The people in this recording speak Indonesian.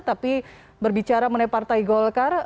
tapi berbicara mengenai partai golkar